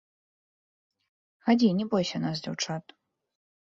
Хадзі, не бойся нас, дзяўчат!